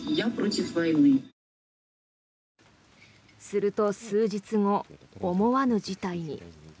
すると数日後、思わぬ事態に。